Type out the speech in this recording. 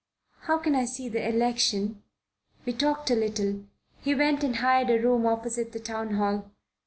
'How can I see the election?' We talked a little. He went and hired a room opposite the Town Hall.